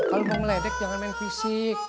kalau mau meledek jangan main fisik